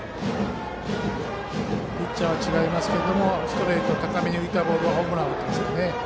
ピッチャーは違いますがストレート、高めに浮いたボールホームラン打っていますからね。